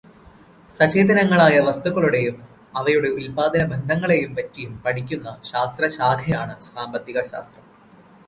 സചേതനങ്ങളായ വസ്തുക്കളുടെയും അവയുടെ ഉൽപാദനബന്ധങ്ങളെപ്പറ്റിയും പഠിക്കുന്ന ശാസ്ത്രശാഖയാണ് സാമ്പത്തിക ശാസ്ത്രം.